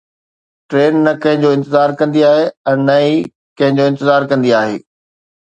train نه ڪنهن جو انتظار ڪندي آهي ۽ نه ئي ڪنهن جو انتظار ڪندي آهي